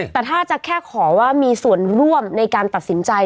แต่ถ้าจะแค่ขอว่ามีส่วนร่วมในการตัดสินใจ